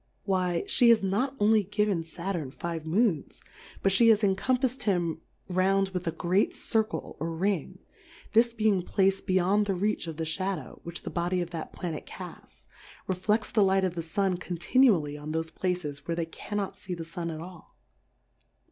Why, fhe has not only given Saturn five Moons, but ihe has encompafs'd him round with a great Circle or Ring ; this be ing placed beyond the reach of the Sha dow, which the Body of that Planet cafts, refleftsthe Light of the Sun conr tinually on thofe Places where they cannot fee the Sun at all.